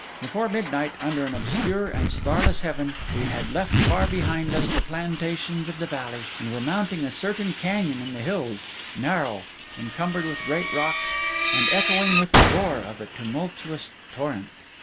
Before midnight, under an obscure and starless heaven, we had left far behind us the plantations of the valley, and were mounting a certain canyon in the hills, narrow, encumbered with great rocks, and echoing with the roar of a tumultuous torrent.